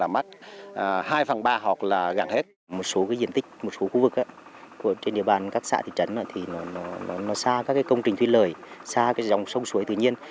một số diện tích một số khu vực trên địa bàn các xã thị trấn xa các công trình thuy lời xa dòng sông suối tự nhiên